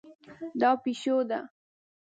دا پیشو ده